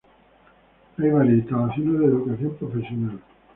Hay varias instalaciones de educación profesional.